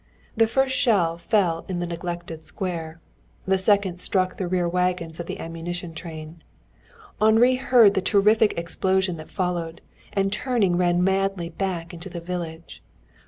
The first shell fell in the neglected square. The second struck the rear wagons of the ammunition train. Henri heard the terrific explosion that followed, and turning ran madly back into the village.